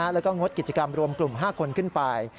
แล้วก็งดกิจกรรมรวมกลุ่ม๕คนขึ้นไป